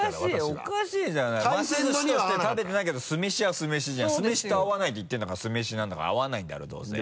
おかしいじゃないます寿司として食べてないけど酢飯は酢飯じゃん酢飯と合わないって言ってるんだから酢飯なんだから合わないんだろどうぜ。